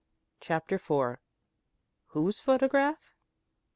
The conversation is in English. CHAPTER IV WHOSE PHOTOGRAPH?